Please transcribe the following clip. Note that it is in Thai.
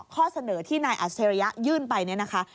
ข้อเสนอที่นายอัจฉริยะยื่นไปเนี่ยนะคะ